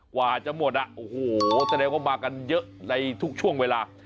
กว่าจะหมดอ่ะโอ้โหแสดงว่ามากันเยอะในทุกช่วงเวลา